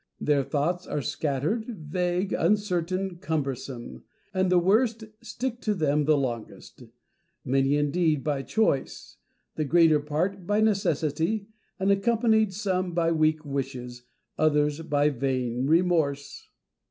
Their thoughts are scattered, vague, uncertain, cumbersome : and the worst stick to them the longest ; many indeed by choice, the greater part by necessity, and accompanied, some by weak wishes, others by vain remorse.